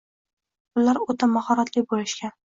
Ular o`ta mahoratli bo`lishgan